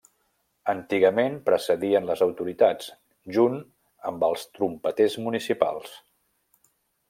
Antigament precedien les autoritats, junt amb els trompeters municipals.